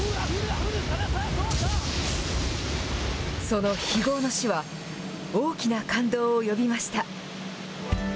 その非業の死は、大きな感動を呼びました。